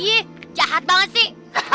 ih jahat banget sih